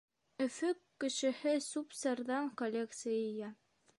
Өфө кешеһе сүп-сарҙан коллекция йыя.